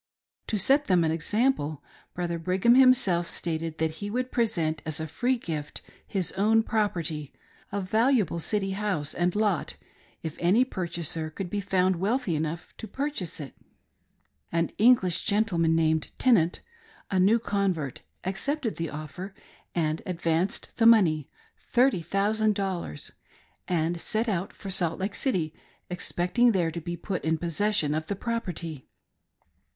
To set them an example. Brother Brigr ham himself stated that he would present as a free gift his own property — a valuable city house and lot, if any purchaser could be found wealthy enough to purchase it. An English, gentleman named Tenant, a new convert, accepted the offer and advanced the money— thirty thousand dollars — and set out for .Salt Lake City, expecting there to be put in possession of the property.